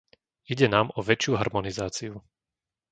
Ide nám o väčšiu harmonizáciu.